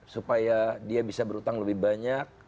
supaya dia bisa berhutang lebih banyak